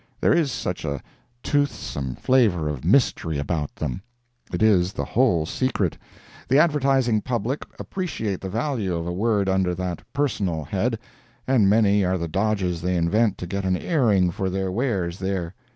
There is such a toothsome flavor of mystery about them! It is the whole secret. The advertising public appreciate the value of a word under that "Personal" head, and many are the dodges they invent to get an airing for their wares there.